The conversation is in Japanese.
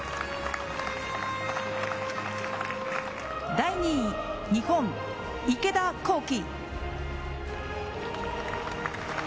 第２位、日本、池田向希。